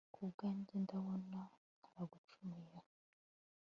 ku bwanjye ndabona ntaragucumuyeho